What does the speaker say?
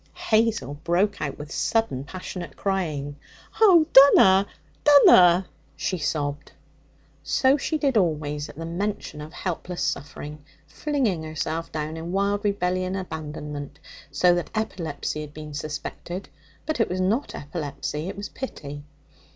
Hazel broke out with sudden passionate crying. 'Oh, dunna, dunna!' she sobbed. So she did always at any mention of helpless suffering, flinging herself down in wild rebellion and abandonment so that epilepsy had been suspected. But it was not epilepsy. It was pity.